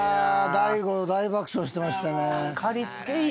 大悟大爆笑してましたね。